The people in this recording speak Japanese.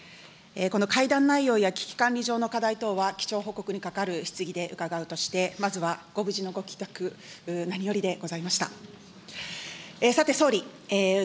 この会談内容や危機管理上の課題等は、基調報告にかかる質疑で伺うとして、まずはご無事のご帰国、何よりでございました。